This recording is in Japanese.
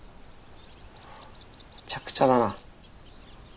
めちゃくちゃだな。